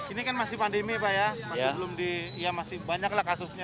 ini kan masih pandemi ya pak ya masih banyaklah kasusnya